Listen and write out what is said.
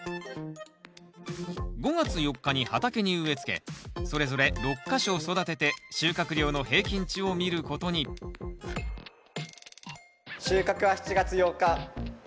５月４日に畑に植えつけそれぞれ６か所育てて収穫量の平均値を見ることに収穫は７月８日。